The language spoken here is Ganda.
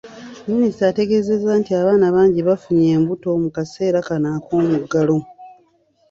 Minisita ategeezezza nti abaana bangi bafunye embuto mu kaseera kano ak’omuggalo.